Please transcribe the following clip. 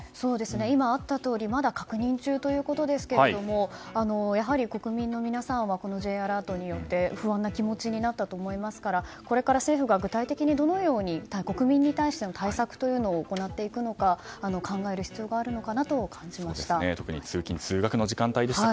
今あったとおり確認中ということですが国民の皆さんはこのＪアラートによって不安な気持ちになったと思いますからこれから政府が具体的にどのように国民に対しての対策を行っていくのか考える必要があるのかなと感じました。